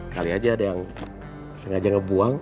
kali aja ada yang sengaja ngebuang